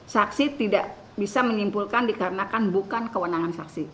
saksi tidak bisa menyimpulkan dikarenakan bukan kewenangan saksi